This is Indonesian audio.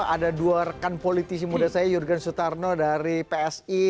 ada dua rekan politisi muda saya jurgen sutarno dari psi